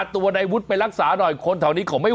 เบิร์ตลมเสียโอ้โห